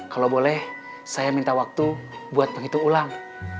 kalau boleh saya minta waktu buat penghitung ulang